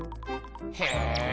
へえ。